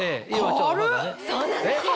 そうなんですよ！